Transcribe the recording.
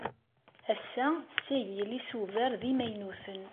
Ass-a, tessagel isubar d imaynuten.